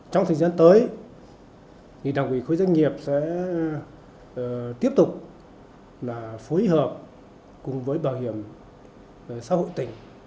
trong thời gian tới đảng ủy khối doanh nghiệp sẽ tiếp tục phối hợp cùng với bảo hiểm xã hội tỉnh